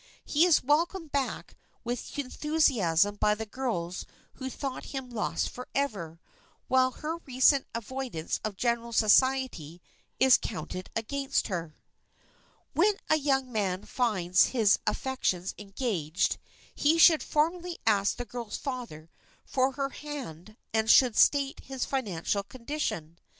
He is welcomed back with enthusiasm by the girls who thought him lost forever, while her recent avoidance of general society is counted against her. [Sidenote: BECOMING ENGAGED] When a young man finds his affections engaged he should formally ask the girl's father for her hand and should state his financial condition.